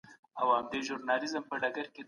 په ټولګي کي د ګډو تمرینونو برخه واخله.